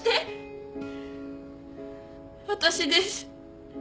私です。